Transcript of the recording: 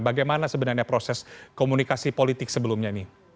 bagaimana sebenarnya proses komunikasi politik sebelumnya nih